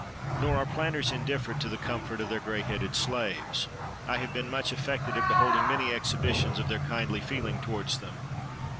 Nor are planters indifferent to the comfort of their gray headed slaves. I have been much affected at beholding many exhibitions of their kindly feeling towards them.